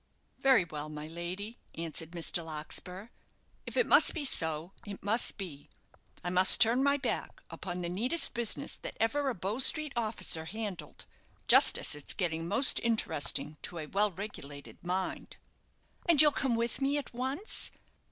"Very well, my lady," answered Mr. Larkspur; "if it must be so, it must be. I must turn my back upon the neatest business that ever a Bow Street officer handled, just as it's getting most interesting to a well regulated mind." "And you'll come with me at once?"